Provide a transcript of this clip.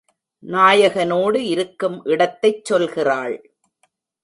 நாயகனோடு இருக்கும் இடத்தைச் சொல்கிறாள்.